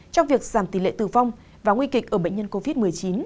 trong việc giảm tỷ lệ tử vong và nguy kịch ở bệnh nhân covid một mươi chín